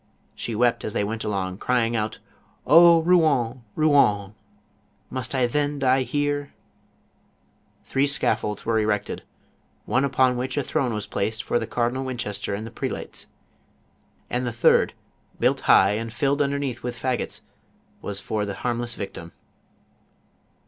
She wept as they went along, cry ing out, " 0 Rouen, Rouen I must I then die here ?" Three scaffolds were erected, one upon which a throne was placed for the Cardinal Winchester and the prelates, the other for the judges and preacher, and the third built high and filled underneath with fagots, was for the harmless victim.